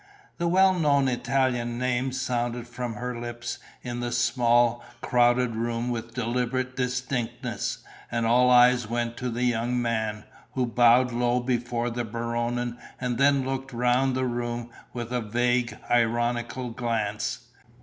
The well known Italian name sounded from her lips in the small, crowded room with deliberate distinctness; and all eyes went to the young man, who bowed low before the Baronin and then looked round the room with a vague, ironical glance.